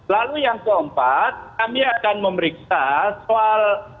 lalu yang keempat kami akan memeriksa soal